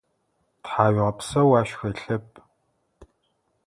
Тхьауегъэпсэу ащ хэлъэп.